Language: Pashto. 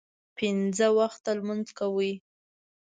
پنځه وخته لمونځ کوي.